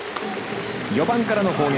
４番からの攻撃。